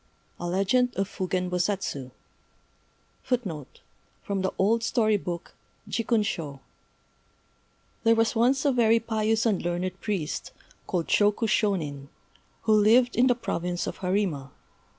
A Legend of Fugen Bosatsu [Decoration] From the old story book, Jikkun shô THERE was once a very pious and learned priest, called Shôku Shônin, who lived in the province of Harima.